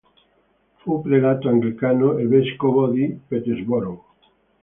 Fu prelato anglicano e vescovo di Peterborough.